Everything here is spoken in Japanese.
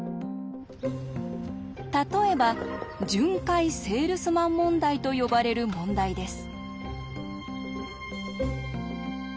例えば「巡回セールスマン問題」と呼ばれる問題です。